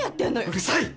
うるさい！